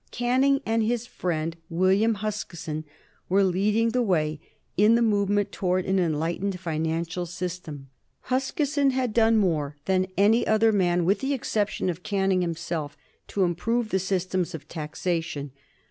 Canning and his friend William Huskisson were leading the way in the movement towards an enlightened financial system. Huskisson had done more than any other man, with the exception of Canning himself, to improve the systems of taxation.